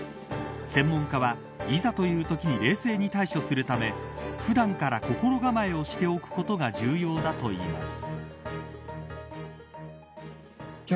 専門家は、いざというときのために冷静に対処するため普段から心構えをしておくことが重要だといいます。